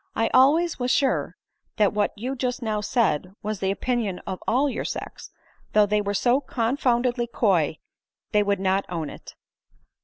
I al ways was sure that what you just now said was the opinion of all your sex, though they were so confoundedly coy they would not own it."